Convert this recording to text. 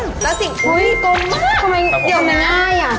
โอ้ยกลมมากทำไมเดี่ยวง่าย